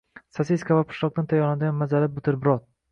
Sosiska va pishloqdan tayyorlanadigan mazali buterbrod